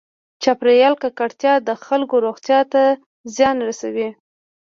چاپېریال ککړتیا د خلکو روغتیا ته زیان رسوي.